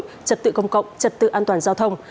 trật tự công cộng trật tự an toàn giao thông